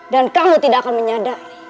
dan kamu tidak akan menyadari